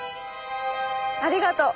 ありがとう。